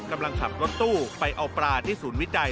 กำลังขับรถตู้ไปเอาปลาที่ศูนย์วิจัย